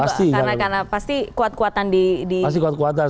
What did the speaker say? pasti karena pasti kuat kuatan